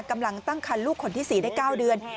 กำลังตั้งคันลูกคนที่๔ได้๙เดือน